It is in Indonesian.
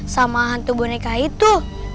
sama hantu boneka itu